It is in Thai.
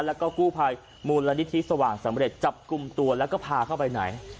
แล้วก็กู้ภัยมูลนิธิสว่างสำเร็จจับกลุ่มตัวแล้วก็พาเข้าไปไหน